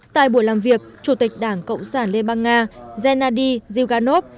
tại buổi làm việc chủ tịch đảng cộng sản liên bang nga gennady zyuganov